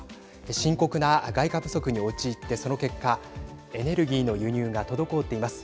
深刻な外貨不足に陥ってその結果エネルギーの輸入が滞っています。